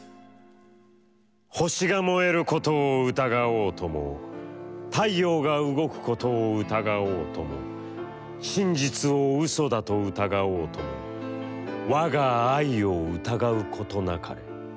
「星が燃えることを疑おうとも太陽が動くことを疑おうとも、真実を嘘だと疑おうとも、わが愛を疑うことなかれ。